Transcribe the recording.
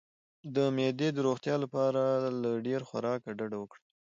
د معدې د روغتیا لپاره له ډیر خوراک ډډه وکړئ